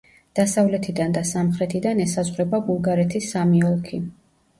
დასავლეთიდან და სამხრეთიდან ესაზღვრება ბულგარეთის სამი ოლქი.